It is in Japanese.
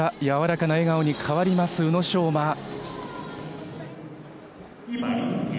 やわらかな笑顔に変わります宇野昌磨。